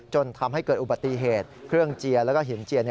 จนทำให้เกิดอุบัติเหตุเครื่องเจียแล้วก็หินเจียน